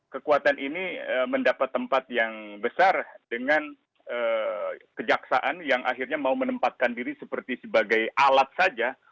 kekuatan ini mendapat tempat yang besar dengan kejaksaan yang akhirnya mau menempatkan diri seperti sebagai alat saja